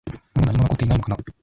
もう何も残っていないのかな？